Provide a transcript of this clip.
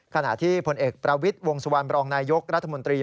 ขณะที่ผลเอกประวิทย์วงสุวรรณบรองนายยกรัฐมนตรี